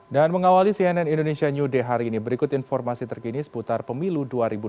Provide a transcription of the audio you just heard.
dan mengawali cnn indonesia new day hari ini berikut informasi terkini seputar pemilu dua ribu dua puluh empat